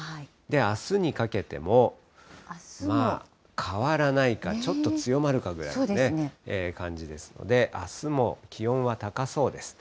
あすにかけても、変わらないか、ちょっと強まるかぐらいのですね、感じですので、あすも気温は高そうです。